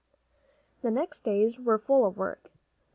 The next days were full of work.